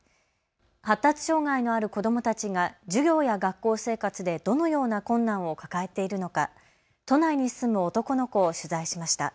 発達障害のある子どもたちが授業や学校生活でどのような困難を抱えているのか都内に住む男の子を取材しました。